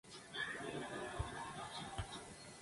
Louis, bajo la dirección y orientación de Carroll W. Dodge.